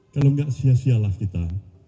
kalau nggak sia sialah kita